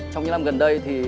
trong những năm gần đây thì